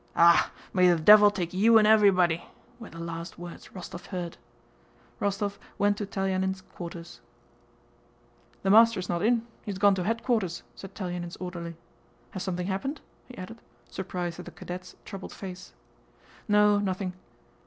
"Ah, may the devil take you and evewybody," were the last words Rostóv heard. Rostóv went to Telyánin's quarters. "The master is not in, he's gone to headquarters," said Telyánin's orderly. "Has something happened?" he added, surprised at the cadet's troubled face. "No, nothing."